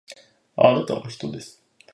あなたは人です